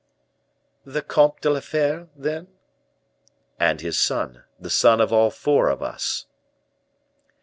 "The Comte de la Fere, then?" "And his son, the son of all four of us."